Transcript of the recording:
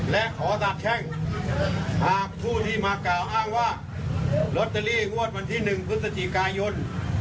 และขอสาบแช่งหากผู้ที่มากล่าวอ้างว่าลอตเตอรี่งวดวันที่๑พฤศจิกายน